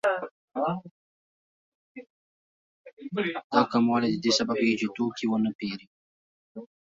دا کموالی د دې سبب کېږي چې توکي ونه پېري